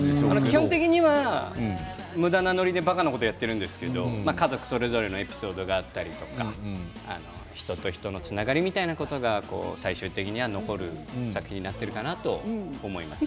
基本的には、むだなのりでばかなことをやっているんですが家族それぞれのエピソードがあって人と人とのつながりが最終的には残る作品になっているかなと思います。